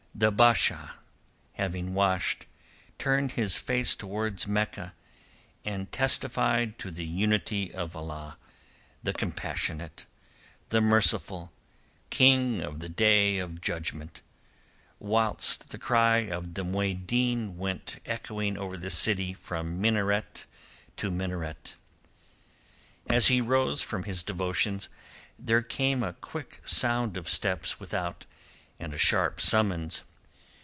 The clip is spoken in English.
The Basha, having washed, turned his face towards Mecca, and testified to the unity of Allah, the Compassionate, the Merciful, King of the Day of judgment, whilst the cry of the Mueddin went echoing over the city from minaret to minaret. As he rose from his devotions, there came a quick sound of steps without, and a sharp summons.